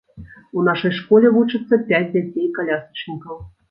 У нашай школе вучацца пяць дзяцей-калясачнікаў.